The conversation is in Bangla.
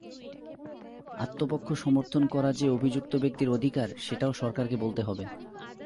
আত্মপক্ষ সমর্থন করা যে অভিযুক্ত ব্যক্তির অধিকার, সেটাও সরকারকে বলতে হবে।